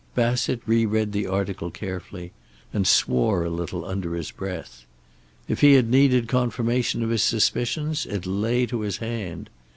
Bassett re read the article carefully, and swore a little, under his breath. If he had needed confirmation of his suspicions, it lay to his hand.